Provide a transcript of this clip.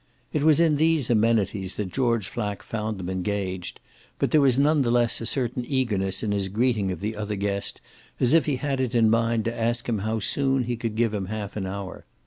It was in these amenities that George Flack found them engaged; but there was none the less a certain eagerness in his greeting of the other guest, as if he had it in mind to ask him how soon he could give him half an hour.